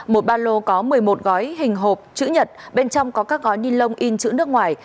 một ba lô có một mươi một gói hình hộp chữ nhật bên trong có các gói ninh lông in chữ nước ngoài